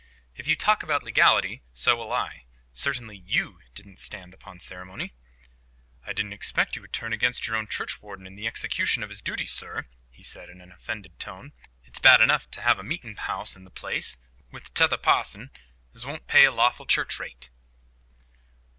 "If you talk about legality, so will I. Certainly YOU don't stand upon ceremony." "I didn't expect you would turn against your own churchwarden in the execution of his duty, sir," he said in an offended tone. "It's bad enough to have a meetin' house in the place, without one's own parson siding with t'other parson as won't pay a lawful church rate."